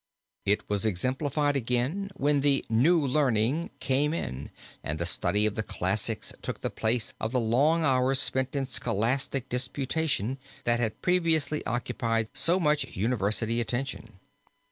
It was exemplified again when the "New Learning" came in and the study of the classics took the place of the long hours spent in scholastic disputation, that had previously occupied so much university attention.